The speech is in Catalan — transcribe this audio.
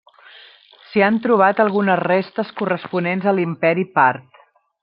S'hi han trobat algunes restes corresponents a l'imperi Part.